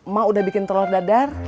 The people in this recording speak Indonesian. emak udah bikin telur dadar